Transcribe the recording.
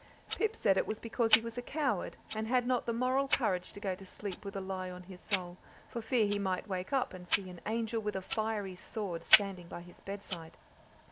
Pip said it was because he was a coward, and had not the moral courage to go to sleep with a lie on his soul, for fear he might wake up and see an angel with a fiery sword standing by his bedside.